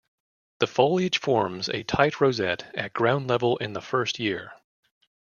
The foliage forms a tight rosette at ground level in the first year.